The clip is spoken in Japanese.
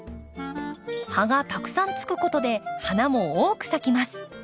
葉がたくさんつくことで花も多く咲きます。